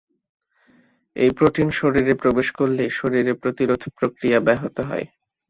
এই প্রোটিন শরীরে প্রবেশ করলেই শরীরে প্রতিরোধ প্রক্রিয়া ব্যাহত হয়।